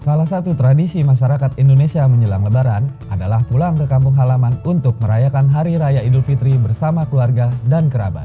salah satu tradisi masyarakat indonesia menjelang lebaran adalah pulang ke kampung halaman untuk merayakan hari raya idul fitri bersama keluarga dan kerabat